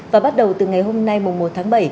và bắt đầu từ ngày hôm nay một tháng bảy